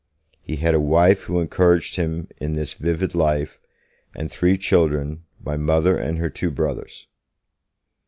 He had a wife who encouraged him in this vivid life, and three children, my Mother and her two brothers.